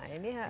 nah ini dia